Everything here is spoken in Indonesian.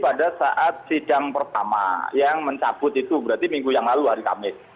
rangkaian itu sebenarnya terjadi pada saat sidang pertama yang mencabut itu berarti minggu yang lalu hari kamis